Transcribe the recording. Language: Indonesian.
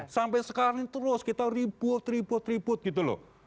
sampai sekarang ini terus kita ribut ribut ribut gitu loh